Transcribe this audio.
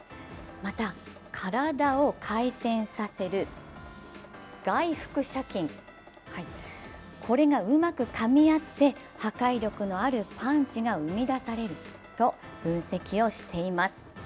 また、体を回転させる外腹斜筋がうまくかみ合って破壊力のあるパンチが生み出されると分析しています。